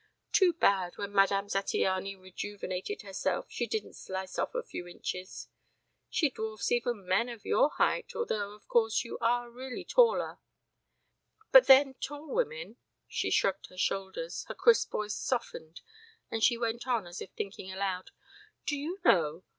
Too bad, when Madame Zattiany rejuvenated herself, she didn't slice off a few inches. She dwarfs even men of your height, although, of course, you are really taller. But then tall women " She shrugged her shoulders, her crisp voice softened and she went on as if thinking aloud. "Do you know